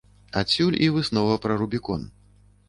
Адсюль і выснова пра рубікон.